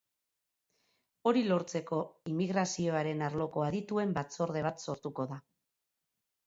Hori lortzeko, immigrazioaren arloko adituen batzorde bat sortuko da.